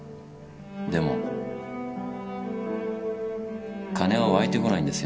でも金は湧いてこないんですよ